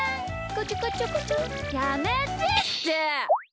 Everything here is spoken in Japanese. やめてって！